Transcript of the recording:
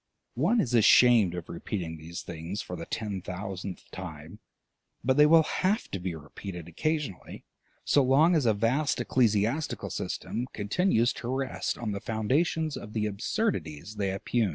One is ashamed of repeating these things for the ten thousandth time, but they will have to be repeated occasionally, so long as a vast ecclesiastical system continues to rest on the foundations of the absurdities they oppugn.